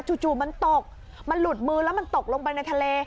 จู่มันตกมันหลุดมือแล้วมันตกลงไปในทะเล